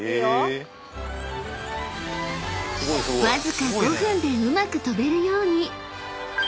［わずか５分でうまく跳べるように！］